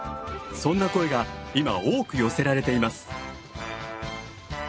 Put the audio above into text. そんな声が今多く寄せられています。